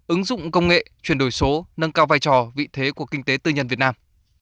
ứng dụng công nghệ chuyển đổi số nâng cao vai trò vị thế của kinh tế tư nhân việt nam